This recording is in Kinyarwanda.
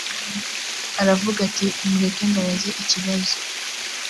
aravuga ati mureke mbabaze ikibazo